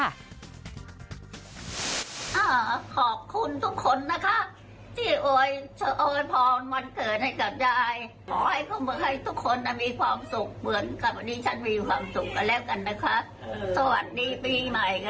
ขอบคุณทุกคนนะคะที่โอ้ยพรวันเกิดให้กับยาย